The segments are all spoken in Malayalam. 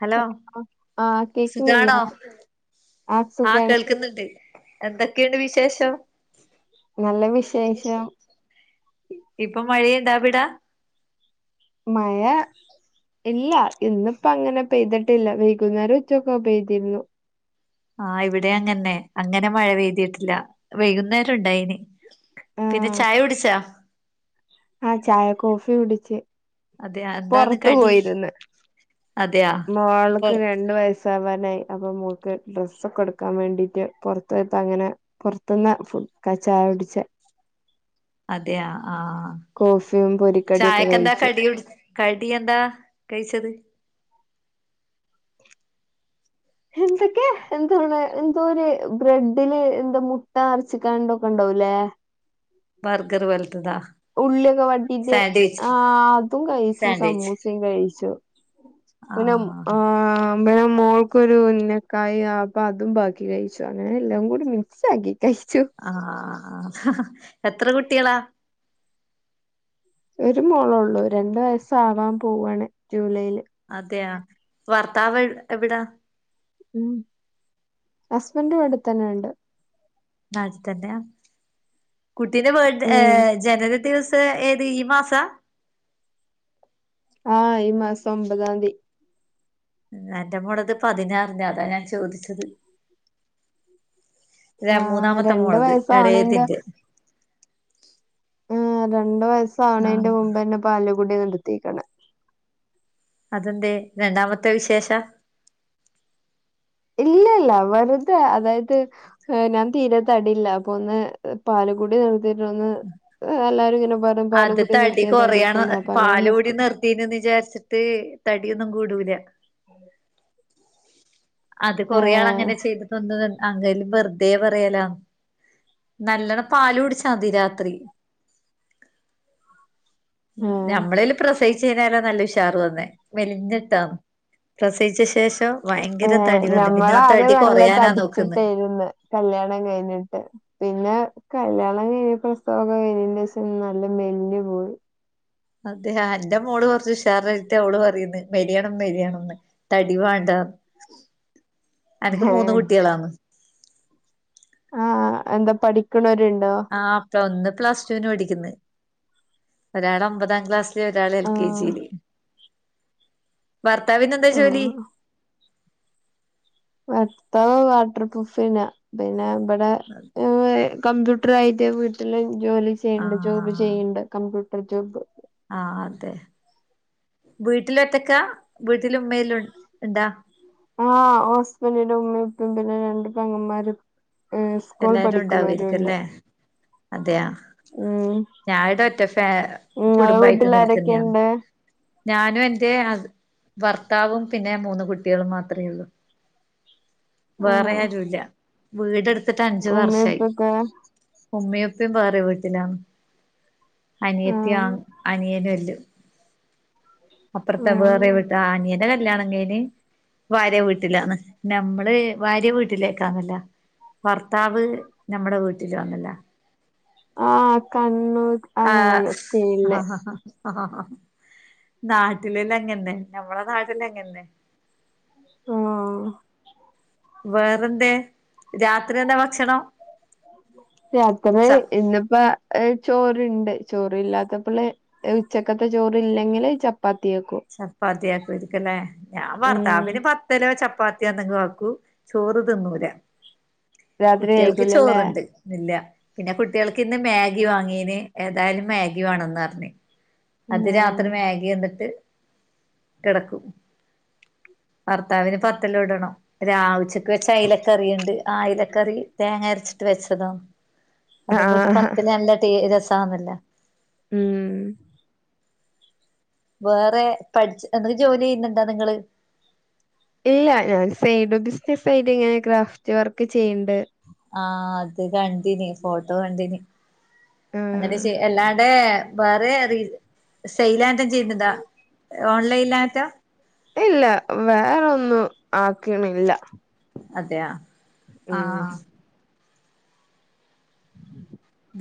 ഹലോ ആഹ് സുഖാണോ കേക്കുന്നില്ലേ ആഹ് കേൾക്കുന്നുണ്ട് എന്തൊക്കെയുണ്ട് വിശേഷം? നല്ല വിശേഷം ഇപ്പൊ മഴയുണ്ടാവിടാ? മായ ഇല്ല ഇന്നിപ്പോ അങ്ങനെ പെയ്തിട്ടില്ല വൈകുന്നേരം ഉച്ചക്കൊ പെയ്തിര്ന്നു. ആഹ് ഇവിടെ അങ്ങനെ അങ്ങനെ മഴ പെയ്തിയിട്ടില്ല വെയകുന്നേരം ഉണ്ടായിന് പിന്നെ ചായ കുടിച്ചാ? ആഹ ചായ കോഫി കുടിച്ച്. അതെയാ എന്താണ് പൊർത്ത് കടി പോയിര്ന്ന് അതെയാ പൊർ മോൾക്ക് രണ്ട്‌ വയസവാനായി അപ്പൊ മോക്ക് ഡ്രസ്സ് ഒക്കെ എട്ക്കാൻ വേണ്ടീട്ട് പൊർത്തോയപ്പം അങ്ങനെ പൊർത്ത്ന്ന ഫു ക ച്ചായ കുടിച്ചെ. അതെയ ആ ആ ആ കോഫിയും പൊരിക്കടിയൊക്കെ ചായക്കെന്താ കഴിച്ചു കടി? കടി എന്താ കയ്ച്ചത്? ഉ [inaudible] തൊക്കെ എന്താണ് എന്തോ ഒര് ബ്രെഡില് എന്താ മുട്ട അര്ച്ച് കാണ്ടൊക്കെ ഇണ്ടാവൂലേ. ബർഗർ വെൽതത. ഉള്ളിയൊക്കെ വട്ടീണ്ട് ആ അതും കയ്ച്ചു സാൻഡ്വിച്ച് സമൂസയും കഴിച്ചു. പിന്നം ആഹ് ആഹ് ഇപേ മോൾക്കൊരു ഉന്നക്കായ അപ്പം അതും ബാക്കി കഴിച്ചു അങ്ങനെ എല്ലാം കൂടി മിക്സ് ആക്കി കയ്ച്ചു. ആഹ് ആഹ് ആഹ് എത്ര കുട്ട്യാളാ? ഒര് മോളാെള്ളു രണ്ട് വയസ്സ് ആവാൻ പോവാണ് ജൂലൈയില് അതെയാ വർത്താവ് എവിടാ? മ് ഹസ്ബന്റ് ഇവിടെത്തന്നെണ്ട്. അത് തന്നെയാ കുട്ടീന്റെ ബേർ ഉം ജനന ദിവസ ഏത് ഈ മാസാ? ആഹ് ഈ മാസം ഒമ്പതാം തി. ആറ്റ മോളത് പതിനാറിന അതാ ഞാൻ ചോദിച്ചത് ത്രേ ആ മൂന്നാമത്തെ രണ്ട് മോളത് വയസ്സാവണേന്റെ എളേതിന്റ് ആ രണ്ട് ആഹ് വയസ്സാവണേന്റെ മുമ്പ്ന്നെ പാല്കുടി നിർത്തീക്ക്ണ് അതെന്തേ രണ്ടാമത്തെ വിശേഷ ഇല്ല ല്ല വെറ്തെ അതായത് ഞാ തീരെ തടില്ല അപ്പൊ ഒന്ന് പാല്കുടി നിർത്തീട്ട് ഒന്ന് എല്ലാരുംങ്ങനെ പർ അത് തടി കൊറയാണ് പാല കൂടി നിർത്തി നിർ തീനു ന്ന് ചാര്ച്ചിട്ട് തടിയൊന്നും കൂടൂല [inaudible] അത് കൊറെ ആൾ ഏഹ് അങ്ങനെ ചെയ്ത് തൊന്ന് അങ്കല് വെറുതേ പറയലാ നല്ലണം പാല് കുടിച്ചാ മതി രാത്രി ഉം ആഹ് ഞമ്മളേല് പ്രശ് പ്രസയിച്ച് കയിഞ്ഞാലൊ നല്ല ഉഷാറു ആന്ന്. മെലിഞ്ഞിട്ടോ പ്രസയിച്ച ശേഷം ഭയങ്കര തടി വന്ന് പിന്നെ ആ ഞമ്മളാദ്യം തടി നല്ല കൊറയാനാ നോക്കുന്നെ തടിച്ചിട്ടേര്ന്ന് കല്യാണം കഴിഞ്ഞിട്ട് പിന്നെ കല്യാണം കഴിഞ്ഞ് പ്രസവൊക്കെ കഴിഞ്ഞീൻ്റേഷം നല്ല മെല്ഞ്ഞ് പോയി. അതെ ആഹ് എന്റെ മോള് കുറച്ച് ഉഷാറ് ആയിട്ടവള് പറയ്ണ് മെലിയണം മെലിയണംന്ന് തടി വാണ്ട എനെക്ക് മൂന്ന് ഏഹ് കുട്ടികളാന്ന്. ആ എന്താ പഠിക്കണരുണ്ടോ ആഹ് പ്ള ഒന്ന് പ്ലസ് ടു വിന് പഠിക്കുന്ന് ഒരാള് ഒമ്പതാം ക്ലാസ്സില് ഒരാള് എൽ കെ ആഹ് ജി ല് ഭർത്താവിന് എന്താ ജോലി? ആഹ് ഭർത്താവ് വാട്ടർ പ്രൂഫ് നാ പിന്നെ ഇബടെ ഏഹ് കമ്പ്യൂട്ടർ ആയിട്ട് വീട്ടിൽ ജോലി ചെയ്യ്ണ്ട് ജോബ് ആഹ് ചെയ്യ്ണ്ട് കമ്പ്യൂട്ടർ ജോബ് ആഹ് അതെ. വീട്ടില ഒറ്റക്കാ? വീട്ടില് ഉമ്മയെല്ലും ഉണ്ടാ? ആഹ് ഓഹ് ഹസ്ബൻ്റിൻ്റെ ഉമ്മയും ഇപ്പിം പിന്നെ രണ്ടു പെങ്ങമ്മാരും ഏഹ് സ്കൂൾ എല്ലാരും ഉണ്ടാവുമായിരിക്കും പഠിക്ക്ണോരൂണ്ട് അല്ലേ അതെയാ. ഞായിടെ ഒറ്റ ഫേ നിങ്ങളെ കുടുംബായിട്ട് വീട്ടിൽ നിൽക്കുന്നെയാന്ന്. ആരൊക്കെയുണ്ട് ഞാനും എൻ്റെ ഹസ് ഭർത്താവും പിന്നെ മൂന്ന് കുട്ടികളും മാത്രേ ഒള്ളു വേറെ ആഹ് ആരൂല്ല. വീടെടുത്തിട്ട് അഞ്ചു ഉമ്മയും വർഷായി ഉപ്പയൊക്കെ ഉമ്മയു ഉപ്പിം വേറെ വീട്ടിലാണ് അനിയത്തി ആഹ് അനിയനൊല്ലു അപ്പർത്തെ വേറെ ആഹ് വീട്ട് ആഹ് അനിയന്റെ കല്യാണം കയിന് ഭാര്യ വീട്ടിലാണ്. നമ്മള് ഭാര്യ വീട്ടിലേക്കാന്നല്ലൊ ഭർത്താവ് ഞമ്മടെ വീട്ടിലും ആന്നല്ലൊ ആഹ് കണ്ണു അങ്ങനൊക്കെ സ്റ്റീൽല് നാട്ടിലല്ല അങ്ങൻന്നെ ഞമ്മളെ നാട്ടിലങ്ങൻന്നെ ആഹ് വേറെന്തേ, രാത്രി എന്താ ഭക്ഷണം? രാത്രി ച ഇന്ന് പ്പാ ഏഹ് ചോറ്ണ്ട് ചോറ് ഇല്ലാത്തപ്പള് ഉച്ചക്കത്തെ ചോറ് ഇല്ലെങ്കില് ച പ്പാത്തി വെക്കു ചപ്പാത്തിയാക്കൂയായ്രിക്കു അല്ലേ ഞാൻ ഉം വർത്താവിന് പ ത്തലോ ചപ്പാത്തിയോ എന്തങ്കും ആക്കു ചോറ് തിന്നൂല രാത്രി കുട്ടികൾക്ക് കഴിക്കൂലല്ലേ ചോറ്ണ്ട്. ഇല്ല പിന്നെ കുട്ടികൾക്ക് ഇന്ന് മേഗി വാങ്ങീന് ഏതായാലും മേഗി വേണംന്ന് പറഞ്ഞ് അത് ആഹ് രാത്രി വേഗി കണ്ടിട്ട് കിടക്കും ഭർത്താവിന് പത്തലുടണം രാവ് ഉച്ച ക്ക് വെച്ച അയ്ലക്കറിയ്ണ്ട്. ആ അയ്ലക്കറി തേങ്ങ അരച്ചിട്ട് വെച്ചതാ. അതും കൂട്ടി ആഹ് പത്തല് നല്ല ടേ രസാ ന്നല്ല. ഉം വേറെ പഠ്ച് എന്തൊക്കെ ജോലി ചെയ്യുന്നുണ്ടോ നിങ്ങള്? ഇല്ല ഞാൻ സൈഡ് ബിസിനസായിട്ട് ഇങ്ങനെ ക്രാഫ്റ്റ് വർക്ക് ചെയ്യ്ണ്ട്. ആഹ് അത് കണ്ടിനി ഫോട്ടോ കണ്ടിനി അന്നിട്ട് ആഹ് ചെ അല്ലാടെ വേറെ റീ സെയ്ൽ ആയിട്ടും ചെയ്യുന്നുണ്ടൊ ഓൺലൈനിലായിറ്റം ഇല്ല വേറൊന്നും ആക്ണില്ല. അതെയൊ ആഹ്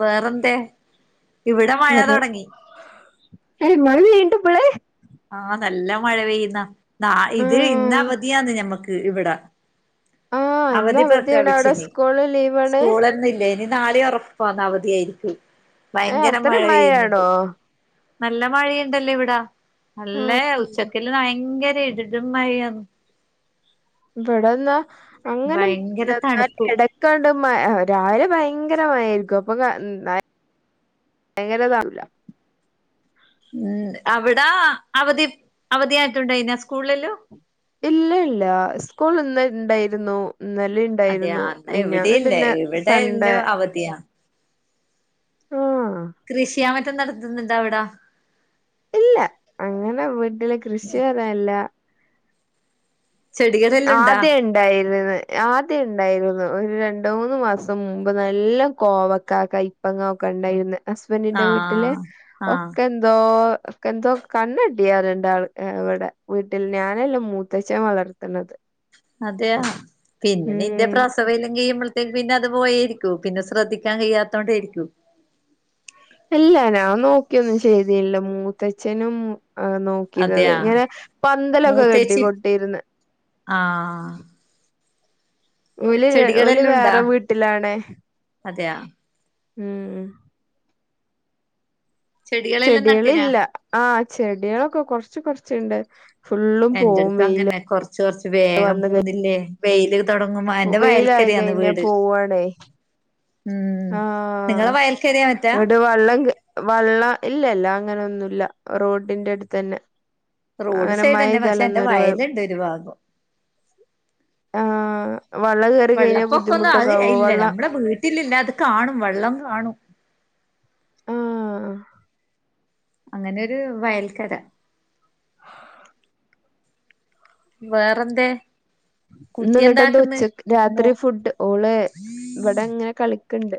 വേറെന്തേ? ഇവിടെ മഴ തുടങ്ങി ഹേ മഴ പെയ്യ് ണ്ടൊ പ്പള് ആഹ് നല്ല മഴ പെയ്യുന്ന്. നാ ഇത് ഇന്ന് ആഹ് അവധിയാന്ന് ഞമ്മക്ക് ഇവടെ ആഹ് ഇന്ന് അവധി അവധിയാണ് അവിടെ പ്രഖ്യാപിച്ചനി. സ്കൂള് ലീവാണ് സ്കൂൾന്നും ഇല്ലേനി. നാളെ ഒറപ്പ അന്നാ അവധിയായിരിക്കും. ഏഹ് ഭയങ്കര മഴ അത്രയും പെയ്യുന്നുണ്ട്. മഴയാണോ നല്ല മഴയ്ണ്ടല്ല ഇവിടാ. നല്ല ആഹ് ഉച്ചക്ക ഭയങ്കര ഇരുടും മഴയാണ്. [unintelligible] അങ്ങനെ ഭയങ്കര തണുപ്പ് [unintelligible] ഇട തോണ്ട് മ രാവിലെ ഭയങ്കര മഴയായിരിക്കും. അപ്പൊ ക എന്ന് [unintelligible] വുല്ല. ഉം അവിടാ അവധി അവധിയായിട്ടുണ്ടായിന സ്കൂളില്ലു. ഇല്ല ഇല്ല. സ്കൂൾ ഇന്ന് ഉണ്ടായിരുന്നു. ഇന്നലെ ഇ അതെയ യിരുന്നു. മിനിഞ്ഞാന്ന് എവിടെയില്ല പിന്നെ ഇവിടെ സണ്ടെ. ആഹ് [unintelligible] കൃഷിയാ മറ്റും നടത്തുന്നുണ്ടാ അവിട? ഇല്ല. അങ്ങനെ വീട്ടില് കൃഷി അതല്ല. ചെടികളെല്ലാം ഉണ്ടാ ആതെയൺ ണ്ടായിരുന്നത് ആദ്യം ഉണ്ടായിരുന്നത്. ഒരു രണ്ട് മൂന്ന് മാസം മുമ്പ് നല്ല കോവക്ക കായ് പ്പങൊക്കെ ഉണ്ടായിരുന്ന്. ഹസ്ബന്റിന്റെ വീട്ടില്, ആഹ് ആഹ് ഒക്കെ ഇണ്ട ന്തോ എന്തോ കണ്ണട്ടിയാറുണ്ട്, ഇവിടെ വീട്ടിൽ. ഞാനെല്ലാ മൂത്തച്ഛൻ വളർത്ത ന്നത്. അതെയ. പിന്നെ ഇന്റെ ഉം പ്രസവല്ല കഴിയുമ്പോഴത്തേക്ക് പിന്നെ അത് പോയിരിക്കും. പിന്നെ ശ്രദ്ധിക്കാൻ കഴിയാത്തോണ്ടയിരിക്കും. ഇല്ല ഞാൻ നോക്കിയൊന്നും ചെയ്ത്തീല. മൂത്തച്ഛനും മു നോ ക്കിയിരുന്നത്. അതെയാ ഇങ്ങനെ പന്തലൊക്കെ കെട്ടി മൂത്തേച്ചി കൊട്ടിയിരുന്ന്. ആഹ് ഒല്, ഒല് വേറെ വീട്ടിലാണ്. അതെയ. ഉം. ചെടികളെല്ലാം നട്ടിനാ ചെടികളില്ല. ആഹ ചെടികളൊക്കെ കൊറച്ച് കൊറച്ചുണ്ട്. ഫുള്ളും എന്റെ പോവും അടുത്ത് വെയില് അങ്ങനെ. കൊറച്ച് കൊറച്ച് വേഗം വന്ന് കഴി പോന്നില്ലേ. വെയില്, തൊടങ്ങുമ്പോ എന്റെ വെയിലായി വയൽക്കരയാന്ന് കഴിഞ്ഞ വീട് പോവാണെ. ഉം ആഹ നിങ്ങളെ വയൽക്കരയാ മറ്റാ ഇവടെ വള്ളം കേ വള്ള ഇല്ലല്ല അങ്ങനെയൊന്നുല്ല. റോഡിന്റെ അടുത്തന്നെ. റോഡ് അങ്ങനെ സൈഡ് തന്നെ. പക്ഷെ എന്റെ മഴെയ്താലൊന്നും ഒരു കൊഴ വയലുണ്ട് ഒരു ഭാഗം. ആഹ് വള്ളം കേറി കഴിഞ്ഞാ വെള്ളപ്പൊക്കൊന്നും ബുദ്ധിമുട്ടൊക്കെ അത് ആവോ ഇല്ല. വള്ളം നമ്മടെ [unintelligible] ത്തില്ലില്ല അത് കാണും. വെള്ളം കാണും. ആഹ് അങ്ങനൊരു വയൽക്കര. വേറന്തേ? ഇന്ന് ഇവിടെ എന്താ ഉച്ചക്ക് മോ രാത്രി ഫുഡ്. ഓള് ഇവിടെ അങ്ങനെ കളിക്കണ്ട്.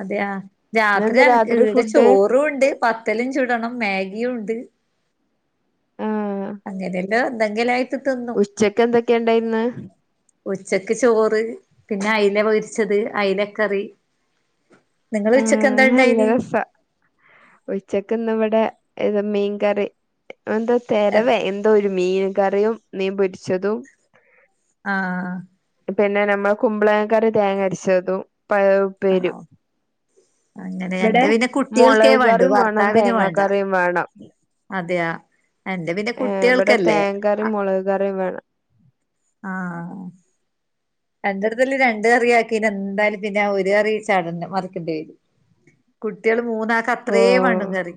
അതെയ. രാത്രിയാണ് രാത്രി ഈടെ ഫുഡ് ചോറും ഉണ്ട്, പത്തലും ചൂടണം, മാഗിയും ഉണ്ട്. ആഹ് അങ്ങനെയല്ലോ എന്തെങ്കിലും ആ ഉച്ചക്ക് എന്തൊക്കെയ ഉണ്ടായി ഇന്ന്? ഉച്ചക്ക് ചോറ്, പിന്നെ അയില പൊരിച്ചത്, അയിലക്കറി. നിങ്ങള് ഉച്ചക്ക് എന്താ ആഹ് നല്ല ഇണ്ടായിന് രസാ. ഉച്ചക്കിന്നിവിടെ മീൻകറി. എന്താ തെരവേ എ ന്ത് ഒരു മീൻ കറിയും, മീൻ പൊരിച്ചതും. ആഹ് ആ. പിന്നെ നമ്മള കുമ്പളങ്ങക്കറി തേങ്ങ അരച്ചതും, പയറു ആണോ ഉപ്പേരും. അങ്ങനെ ഇവിടെ എന്റെ പിന്നെ കുട്ടികൾക്കേ വേണ്ടു മുളകുകറിയും വേണം, ഭർത്താവിന് വേണ്ട തേങ്ങാക്കറിയും വേണം. അതെയാ. എന്റെ പിന്നെ കുട്ടികൾക്കല്ലേ. മുളകുകറിയും വേണം. ആഹ്. എന്റെടുത്തല് രണ്ട് കറി ആക്കി പിന്നെന്തായാലും, പിന്നെ ആ ഒരു കറി ചടന് മറിക്കേണ്ടി വരും. കുട്ടികള് മൂന്നാക്ക് അത്രേം വേണം ഓഹ് കറി.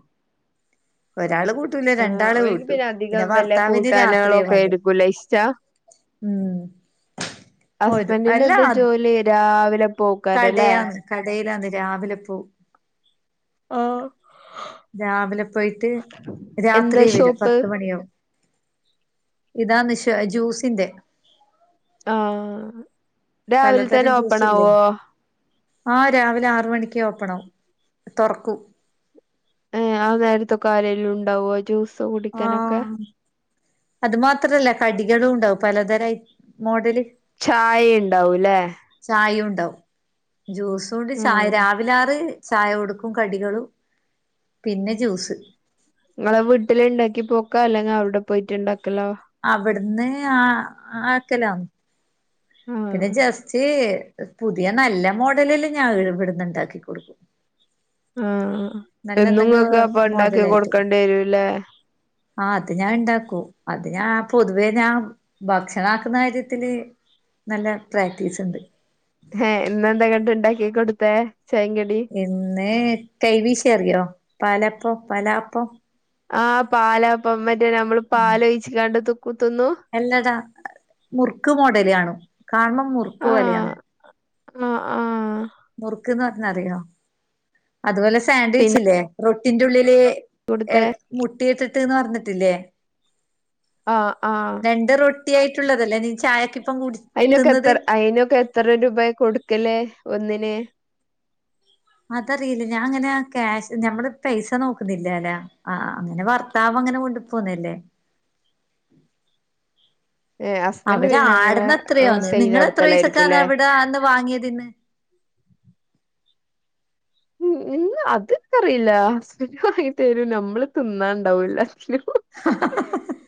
ഒരാള് കൂ [unintelligible] ആഹ് രണ്ടാള് ഓൽക്ക് കൂട്ടും പിന്നെ അധികം വല്ല ഭർത്താവിന് രാത്രി കൂട്ടാനുകളൊക്കെ മതി ആയിരിക്കൂല്ലേ ഇഷ്ടാ ഉം പോരും ഹസ്ബൻഡിന് അല്ല എന്താ ജോലി രാവിലെ പോ കടയാന്ന് കടയിലാന്ന് രാവിലെ പോവും ആഹ് രാവിലെ പോയിട്ട് എന്താ രാത്രി വരും ഷോപ്പ് പത്ത് മണിയാവും ഇതാന്ന് ശ് ജ്യൂസിന്റെ ആഹ് രാവിലെ തന്നെ ഓപ്പണാവോ ആഹ് രാവിലെ ആറ് മണിക്കെ ഓപ്പണാവും തുറക്കും ഏഹ് ആ നേരത്തൊക്കെ ആരെലും ഉണ്ടാവുവോ ജ്യൂസ് കുടിക്കാനൊക്കെ അതുമാത്രല്ല കടികളും ഉണ്ടാവും പലതരം ഐ മോഡല് ചായയിണ്ടാവൂല്ലേ ചായയുണ്ടാവും ജ്യൂസുണ്ട് ചായ ആഹ് രാവിലെ ആറ് ചായ കൊടുക്കും കടികളും പിന്നെ ജ്യൂസ് നിങ്ങള് വീട്ടില് ഇണ്ടാക്കി പോക്കാ അല്ലെങ്കി അവിടെ പോയിട്ട് ഇണ്ടാക്കല്ലോ അവിടുന്ന് ആ ആക്കലാന്ന് ആഹ് പിന്നെ ജസ്റ്റ് പുതിയ നല്ല മോഡലില് ഞാൻ ഇവിടുന്നുണ്ടാക്കി കൊടുക്കും ആഹ് നല്ല എന്നും എന്തെങ്കും ങ്ങക്കപ്പ ഉണ്ടാക്കി മോഡലായിട്ട് കൊടുക്കേണ്ടി വരൂല്ലേ ആഹ് അത് ഞാൻ ഇണ്ടാക്കൂ അത് ഞാൻ പൊതുവേ ഞാൻ ഭക്ഷണാക്കുന്ന കാര്യത്തില് നല്ല പ്രാക്ടീസ് ഉണ്ട് ഹേ ഇന്ന് എന്താ കണ്ട് ഇണ്ടാക്കി കൊടുത്തേ ചായേംകടി പിന്നെ കൈവീശി അറിയാവോ പാലപ്പോ പലപ്പോ ആഹ് പാലപ്പം മറ്റേ നമ്മള് പാല് ഒഴിച്ച് കണ്ടത്തുകുത്തുന്നു അല്ലടാ മുറുക്ക് മോഡല് കാണും കാണ്‌ണം മുറുക്ക് പോലെ ആഹ് ആണ് ആഹ് ആഹ് മുറുക്ക്ന്ന് പറഞ്ഞാ അറിയോ അതുപോലെ സാൻഡ്വിച്ച് പിന്നെ ഇല്ലേ റൊട്ടിന്റെ ഉള്ളില് ഏ കൊടുത്തേ മുട്ടിയിട്ടിട്ട്ന്ന് പറഞ്ഞിട്ടില്ലേ ആഹ് ആഹ് രണ്ട് റൊട്ടി ആയിട്ടുള്ളതല്ലേ നീ ചായക്കിപ്പം കുടി അയിനൊക്കെ തിന്നത് എത്ര അയിനൊക്കെ എത്ര രൂപയാ കൊടുക്കല് ഒന്നിന് അതറിയില്ല ഞാൻ അങ്ങനെ ക്യാഷ് ഞമ്മള് പൈസ നോക്കുന്നില്ലല്ല ആഹ് അങ്ങന ഭർത്താവ് അങ്ങന കൊണ്ടു പോന്നയല്ലേ ഏഹ് ഹസ്ബൻഡ് അവര് പിന്നെ അങ്ങനെ ആട്ന്ന് എത്രയൊന്ന് സെയിൽ നിങ്ങള് എത്ര പൈസയ്ക്ക അന്ന് നടത്തലായിരിക്കുംല്ലേ അവിടെ അന്ന് വാങ്ങിയതിന്ന് ഉം ഉം അത് ഇക്ക് അറിയില്ല ഹസ്ബൻഡ് വാങ്ങിത്തരും നമ്മള് തിന്നാണ്ടാവൂല [unintelligible]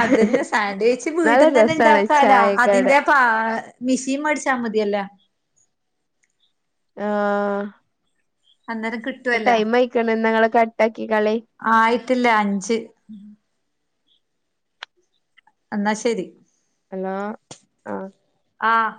അതന്ന സാൻഡ്വിച്ച് നല്ല വീട്ടീന്നന്നെ രസാണ് ഇണ്ടാക്കാലാ ചായക്കട അതിന്റെ പാ മിഷീൻ മേടിച്ചാ മതിയല്ല ആഹ് അന്നേരം കിട്ടുവല്ലോ ടൈം ആയിക്കാണ് എന്ന ഇങ്ങള് കട്ടാക്കിക്കളി ആയിട്ടില്ല അഞ്ച് എന്നാ ശരി ഹലോ ആഹ് ആഹ്